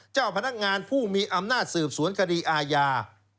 เจ้าพนักงานผู้มีอำนาจสืบสวนคดีอาญา